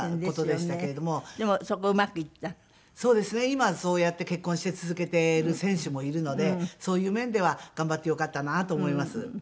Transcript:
今はそうやって結婚して続けてる選手もいるのでそういう面では頑張ってよかったなと思います。